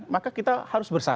maka kita harus berharga